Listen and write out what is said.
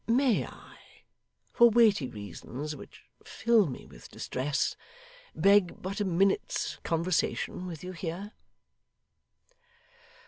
May I for weighty reasons which fill me with distress, beg but a minute's conversation with you here?